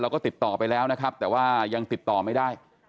ก็ติดต่อไปแล้วนะครับแต่ว่ายังติดต่อไม่ได้